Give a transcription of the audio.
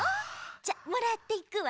じゃあもらっていくわね。